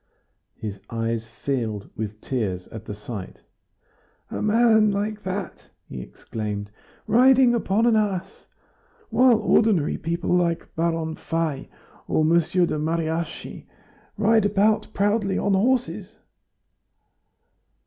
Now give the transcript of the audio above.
His eyes filled with tears at the sight. "A man like that," he exclaimed, "riding upon an ass! While ordinary people like Baron Fay or Mr. de Mariassy ride about proudly on horses."